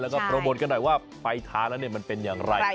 แล้วก็โปรบบนน้อยว่าไฟทามันเป็นอย่างไร